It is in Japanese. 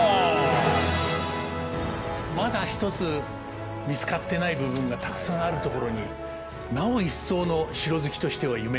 まだ一つ見つかってない部分がたくさんあるところになお一層の城好きとしては夢があると。